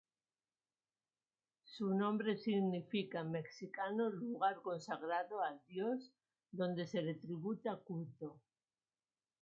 Su nombre significa en mexicano "Lugar consagrado al Dios, donde se le tributa culto".